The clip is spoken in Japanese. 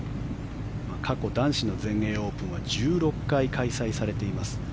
過去男子の全英オープンは１６回開催されています。